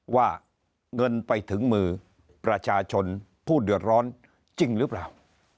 ว่าเงินไปถึงมือประชาชนผู้เดือดร้อนจริงหรือเปล่า